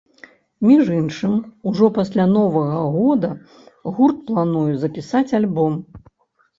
Між іншым, ужо пасля новага года гурт плануе запісаць альбом.